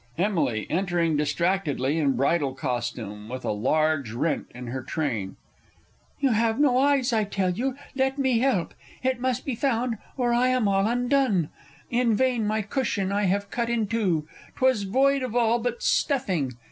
Emily (entering distractedly in bridal costume, with a large rent in her train). You have no eyes, I tell you, let me help. It must be found, or I am all undone! In vain my cushion I have cut in two 'Twas void of all but stuffing